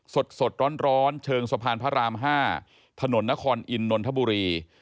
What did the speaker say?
สดร้อนเชิงสะพานพระราม๕ถนนนครอินนทบุรี